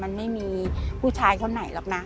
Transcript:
มันไม่มีผู้ชายคนไหนหรอกนะ